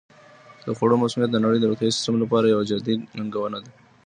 د خوړو مسمومیت د نړۍ د روغتیايي سیستم لپاره یوه جدي ننګونه ده.